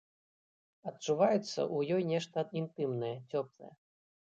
Адчуваецца ў ёй нешта інтымнае, цёплае.